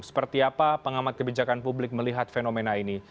seperti apa pengamat kebijakan publik melihat fenomena ini